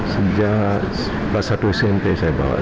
sejak pasat dosyente saya bawa